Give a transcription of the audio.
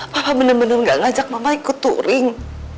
papa bener bener gak ngajak mama ikut turing